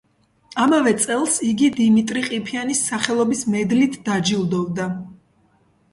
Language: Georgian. ამავე წელს იგი დიმიტრი ყიფიანის სახელობის მედლით დაჯილდოვდა.